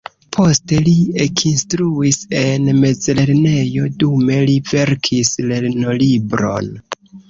Poste li ekinstruis en mezlernejo, dume li verkis lernolibron.